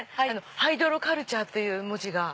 ハイドロカルチャーって文字が。